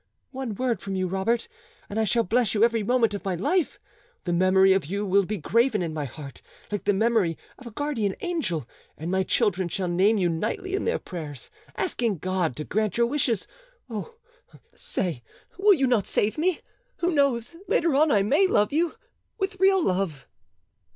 One word from you, Robert, and I shall bless you every moment of my life: the memory of you will be graven in my heart like the memory of a guardian angel, and my children shall name you nightly in their prayers, asking God to grant your wishes. Oh, say, will you not save me? Who knows, later on I may love you—with real love."